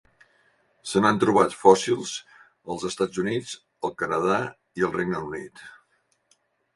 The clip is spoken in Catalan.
Se n'han trobat fòssils als Estats Units, el Canadà i el Regne Unit.